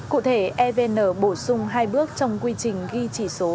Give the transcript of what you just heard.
cụ thể evn bổ sung hai bước trong quy trình ghi chỉ số